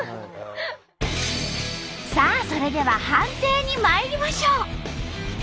さあそれでは判定にまいりましょう！